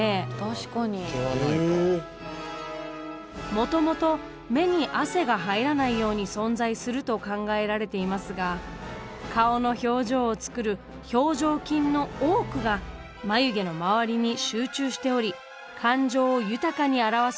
もともと目に汗が入らないように存在すると考えられていますが顔の表情を作る表情筋の多くが眉毛の周りに集中しており感情を豊かに表すことができるのです。